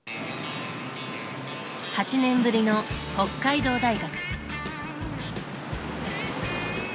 ８年ぶりの北海道大学。